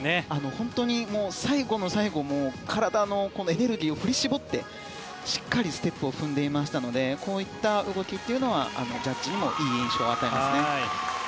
本当に、最後の最後体のエネルギーを振り絞って、しっかりステップを踏んでいましたのでこういった動きというのはジャッジにもいい印象を与えますね。